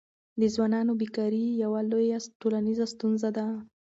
د ځوانانو بېکاري یوه لویه ټولنیزه ستونزه ده.